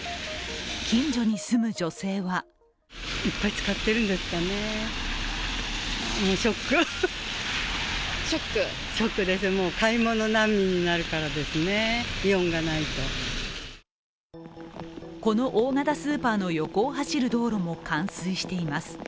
近所に住む女性はこの大型スーパーの横を走る道路も冠水しています。